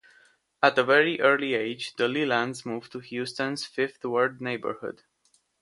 At a very early age, the Lelands moved to Houston's Fifth Ward neighborhood.